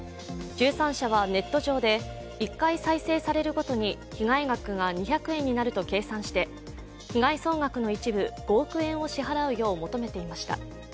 １３社はネット上で１回再生されるごとに被害額が２００円になると計算して被害総額の一部、５億円を支払うよう求めていました。